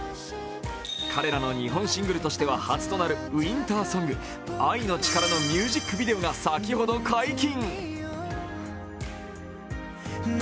彼らの日本シングルとしては初となるウインターソング「あいのちから」のミュージックビデオが先ほど解禁。